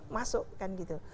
masuk kan gitu